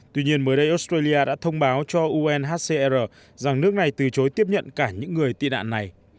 tuy nhiên mới đây australia đã thông báo cho unhcr rằng nước này từ chối tiếp nhận cả những người tị nạn này